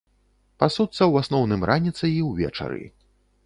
Пасуцца ў асноўным раніцай і ўвечары.